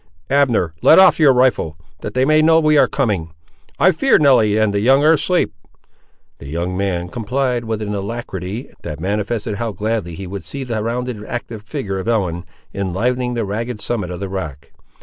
Abner, let off your rifle, that they may know we ar' coming. I fear Nelly and the young ar' asleep." The young man complied with an alacrity that manifested how gladly he would see the rounded, active figure of Ellen, enlivening the ragged summit of the rock.